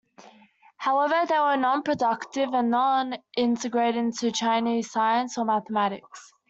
However, they were nonproductive and not integrated into Chinese science or mathematics.